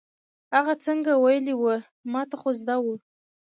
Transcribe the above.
هغه څنګه ویلې وه، ما ته خو زده وه.